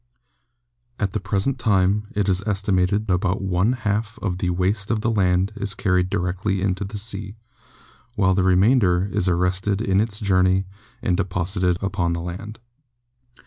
At the present time it is estimated about one half of the waste of the land is carried directly into the sea, while the remainder is arrested in its journey and de posited upon the land.